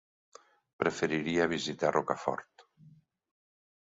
Preferiria visitar Rocafort.